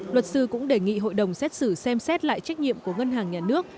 luật sư cũng đề nghị hội đồng xét xử xem xét lại trách nhiệm của ngân hàng nhà nước